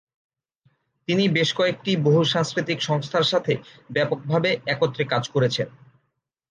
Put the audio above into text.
তিনি বেশ কয়েকটি বহু-সাংস্কৃতিক সংস্থার সাথে ব্যাপকভাবে একত্রে কাজ করেছেন।